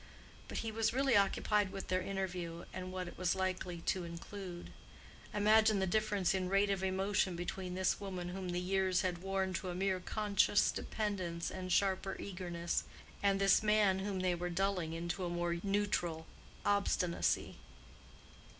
But he was really occupied with their interview and what it was likely to include. Imagine the difference in rate of emotion between this woman whom the years had worn to a more conscious dependence and sharper eagerness, and this man whom they were dulling into a more neutral obstinacy.